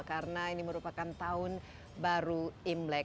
karena ini merupakan tahun baru imlek